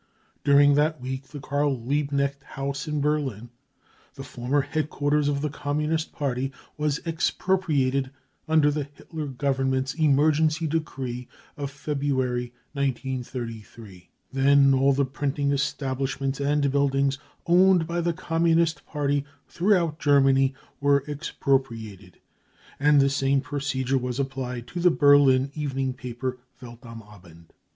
During that week the Karl Liebknecht House in Berlin, the former headquarters of the Communist Party, was expro priated under the Hitler Government's emergency decree of February 5th, 1933. Then all the printing establishments and buildings owned by the Communist Party throughout Germany were expropriated ; and the same procedure was applied to the Berlin evening paper Welt am Abend